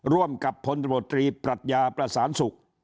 ร่วมกับพลตรวจตรีปรัชญาประสานสุข